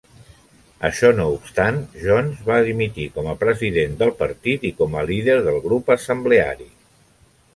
Això no obstant, Jones va dimitir com a president del partit i com a líder del grup assembleari.